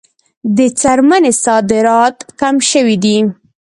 د څرمنې صادرات کم شوي دي